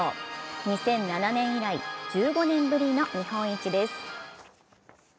２００７年以来１５年ぶりの日本一です。